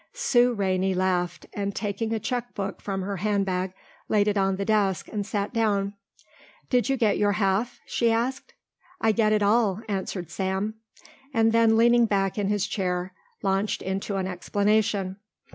Sue Rainey laughed and taking a checkbook from her handbag laid it on the desk and sat down. "Do you get your half?" she asked. "I get it all," answered Sam, and then leaning back in his chair launched into an explanation.